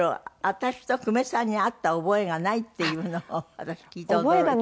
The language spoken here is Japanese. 私と久米さんに会った覚えがないっていうのを私聞いて驚いた。